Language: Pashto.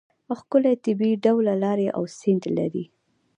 ښکلې طبیعي ډوله لارې او سیند لري.